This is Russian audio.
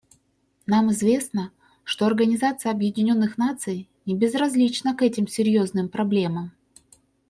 Нам известно, что Организация Объединенных Наций небезразлична к этим серьезным проблемам.